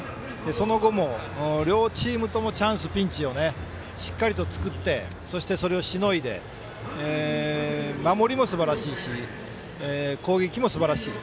その後も両チームともチャンス、ピンチをしっかりと作ってそして、それをしのいで守りも、すばらしいし攻撃もすばらしい。